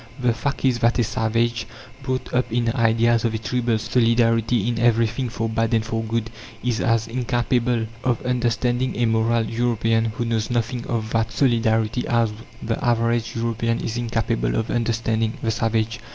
The fact is that a savage, brought up in ideas of a tribal solidarity in everything for bad and for good, is as incapable of understanding a "moral" European, who knows nothing of that solidarity, as the average European is incapable of understanding the savage.